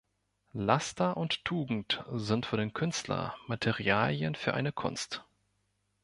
Laster und Tugend sind für den Künstler Materialien für eine Kunst.